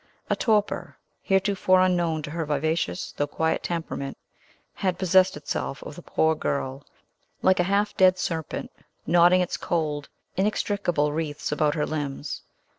A torpor, heretofore unknown to her vivacious though quiet temperament, had possessed itself of the poor girl, like a half dead serpent knotting its cold, inextricable wreaths about her limbs.